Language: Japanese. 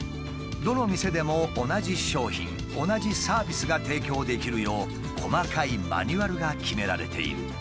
どの店でも同じ商品同じサービスが提供できるよう細かいマニュアルが決められている。